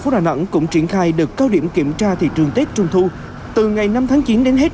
phố đà nẵng cũng triển khai được cao điểm kiểm tra thị trường tết trung thu từ ngày năm tháng chín đến hết